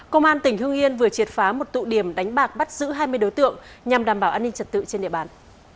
công an tỉnh hương yên vừa triệt phá một tụ điểm đánh bạc bắt giữ hai mươi đối tượng nhằm đảm bảo an ninh trật tự trên địa bàn